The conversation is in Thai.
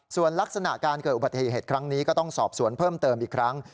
ส่วนลักษณะการเกิดอุบัติเหตุครั้งนี้ก็ต้องสอบสวนเพิ่มเติมอีกครั้ง